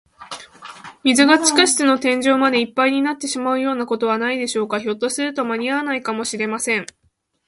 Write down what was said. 水が地下室の天井までいっぱいになってしまうようなことはないでしょうか。ひょっとすると、まにあわないかもしれません。